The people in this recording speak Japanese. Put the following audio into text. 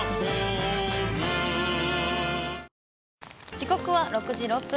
時刻は６時６分。